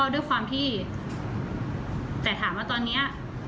โดยความที่ถามว่าตอนนี้